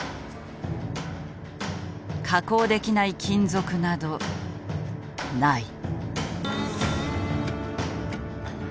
加工できない金属などない。